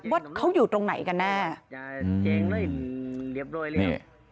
ว่าเขาอยู่ตรงไหนกันแน่